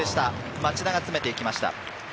町田が詰めていきました。